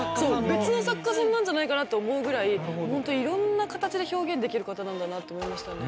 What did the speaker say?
別の作家さんなんじゃないかなと思うぐらいほんといろんな形で表現できる方なんだなと思いましたね。